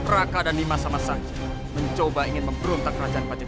raka dan nimas sama saja mencoba ingin memperuntuk kerajaan pajajari